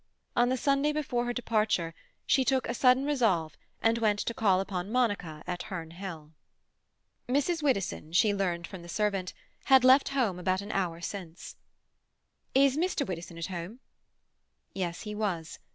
On the Sunday before her departure she took a sudden resolve and went to call upon Monica at Herne Hill. Mrs. Widdowson, she learnt from the servant, had left home about an hour since. "Is Mr. Widdowson at home?" Yes, he was.